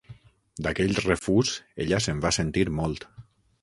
D'aquell refús, ella se'n va sentir molt.